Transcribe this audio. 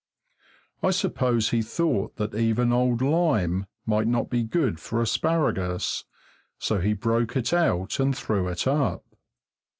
I suppose he thought that even old lime might not be good for asparagus, so he broke it out and threw it up.